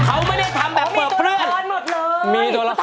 เขาไม่ได้ทำแบบเปิดเพลินมีตัวละครหมดเลยมีตัวละคร